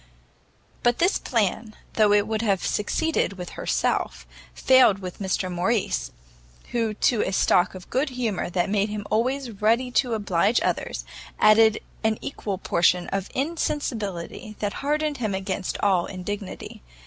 But this plan, though it would have succeeded with herself, failed with Mr Morrice, who to a stock of good humour that made him always ready to oblige others, added an equal portion of insensibility that hardened him against all indignity.